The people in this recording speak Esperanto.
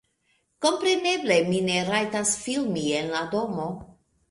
Kompreneble mi ne rajtas filmi en la domo